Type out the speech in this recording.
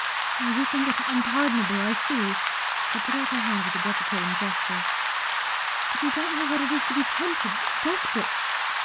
Ah, you think it unpardonable, I see" she put out her hand with a deprecating gesture "but you don't know what it is to be tempted desperate.